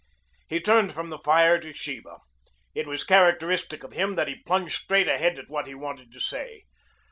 He turned from the fire to Sheba. It was characteristic of him that he plunged straight at what he wanted to say.